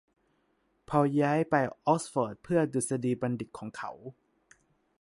พอลย้ายไปออกซ์ฟอร์ดเพื่อดุษฎีบัณฑิตของเขา